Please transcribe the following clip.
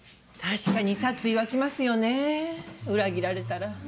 確かに殺意湧きますよね裏切られたら。